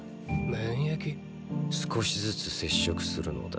少しずつ接触するのだ。